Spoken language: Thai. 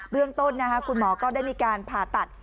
เรื่องต้นคุณหมอก็ได้มีการผ่าตัด